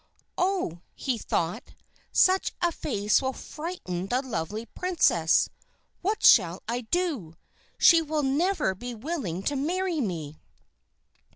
"Oh," he thought, "such a face will frighten the lovely princess! What shall I do? She will never be willing to marry me!"